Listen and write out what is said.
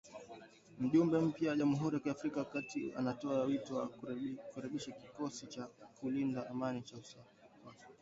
Mjumbe mpya wa Jamuhuri ya Afrika ya Kati anatoa wito wa kurekebishwa kikosi cha kulinda amani cha Umoja wa Mataifa